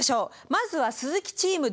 まずは鈴木チーム